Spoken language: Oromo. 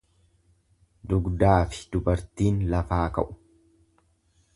Dugdaafi dubartiin lafaa ka'u.